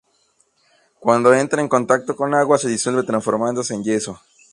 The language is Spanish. Cuando entra en contacto con agua se disuelve transformándose en yeso.